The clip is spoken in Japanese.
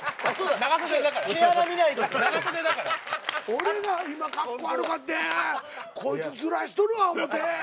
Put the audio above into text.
俺が今カッコ悪かってこいつずらしとるわ思うて。